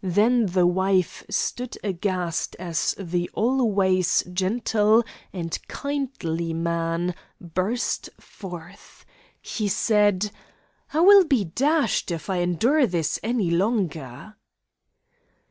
Then the wife stood aghast as the always gentle and kindly man burst forth. He said: 'I will be DASHED if I endure this any longer.'